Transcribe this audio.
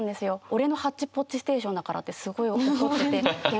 俺の「ハッチポッチステーション」だからってすごい怒ってて。